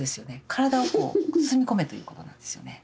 体を包み込めということなんですよね。